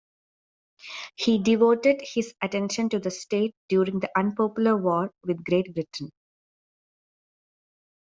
He devoted his attention to the state during the unpopular war with Great Britain.